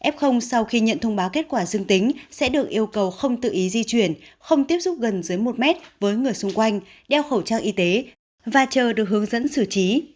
f sau khi nhận thông báo kết quả dương tính sẽ được yêu cầu không tự ý di chuyển không tiếp xúc gần dưới một mét với người xung quanh đeo khẩu trang y tế và chờ được hướng dẫn xử trí